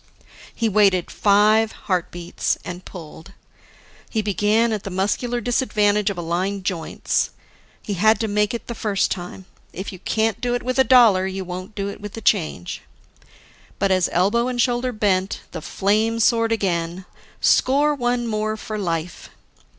He waited five heartbeats, and pulled. He began at the muscular disadvantage of aligned joints. He had to make it the first time; if you can't do it with a dollar, you won't do it with the change. But as elbow and shoulder bent, the flame soared again: Score one more for life!